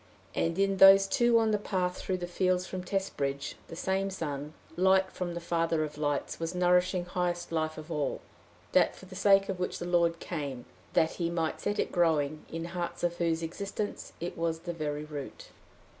And in those two on the path through the fields from Testbridge, the same sun, light from the father of lights, was nourishing highest life of all that for the sake of which the Lord came, that he might set it growing in hearts of whose existence it was the very root.